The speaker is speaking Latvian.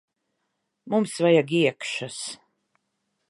Mums vajag iekšas.